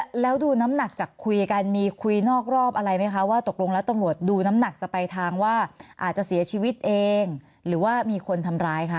แล้วดูน้ำหนักจากคุยกันมีคุยนอกรอบอะไรไหมคะว่าตกลงแล้วตำรวจดูน้ำหนักจะไปทางว่าอาจจะเสียชีวิตเองหรือว่ามีคนทำร้ายคะ